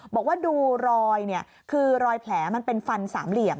บอกว่าดูรอยคือรอยแผลมันเป็นฟันสามเหลี่ยม